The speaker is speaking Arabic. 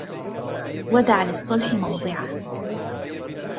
وَدَعْ لِلصُّلْحِ مَوْضِعًا